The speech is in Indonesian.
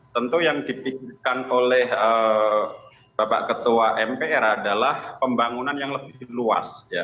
tentu yang dipikirkan oleh bapak ketua mpr adalah pembangunan yang lebih luas